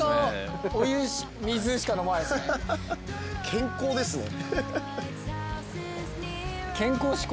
健康ですねさ